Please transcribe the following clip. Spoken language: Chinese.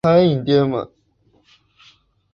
漪蛱蝶属是线蛱蝶亚科环蛱蝶族里的一属。